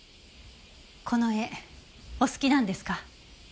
この絵お好きなんですか？